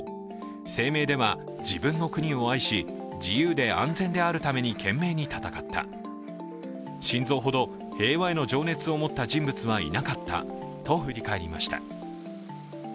声明では、自分の国を愛し、自由で安全であるために懸命に戦った、シンゾウほど平和への情熱を持った人物はいなかったと振り返りました。